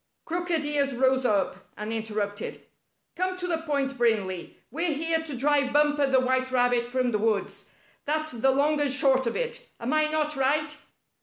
Crooked Ears rose up, and interrupted. " Come to the point, Brindley! We're here to drive Bumper the White Rabbit from the woods. That's the long and short of it. Am I not right?"